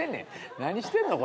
何してんの？